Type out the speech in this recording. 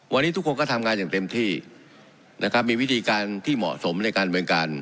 วันนี้ทุกคนก็ทำงานอย่างเต็มที่นะครับมีวิธีการที่เหมาะสมในการเมืองการ